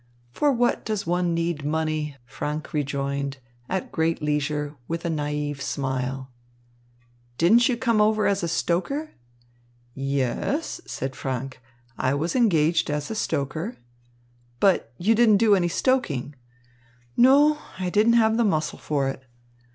"For what does one need money?" Franck rejoined, at great leisure, with a naïve smile. "Didn't you come over as a stoker?" "Ye e es," said Franck, "I was engaged as a stoker." "But you didn't do any stoking?" "No, I didn't have the muscle for it."